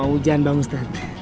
he he mau hujan bang ustadz